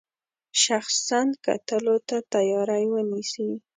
شخصا کتلو ته تیاری ونیسي.